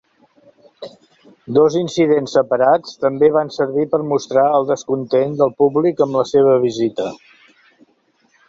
Dos incidents separats també van servir per mostrar el descontent del públic amb la seva visita.